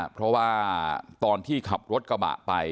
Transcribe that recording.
เพราะว่าตอนที่ขับรถกระบะไป